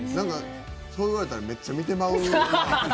そう言われたらめっちゃ見てまう。